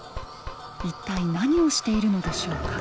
一体何をしているのでしょうか。